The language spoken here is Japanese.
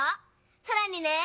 さらにね！